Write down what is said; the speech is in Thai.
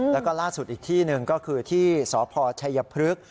แล้วก็ล่าสุดอีกที่หนึ่งก็คือที่สพชัยพฤกษ์